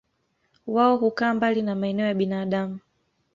Wao hukaa mbali na maeneo ya binadamu.